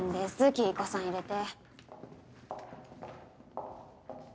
黄以子さん入れて。